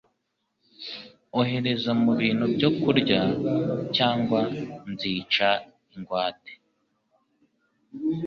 Ohereza mubintu byo kurya cyangwa nzica ingwate.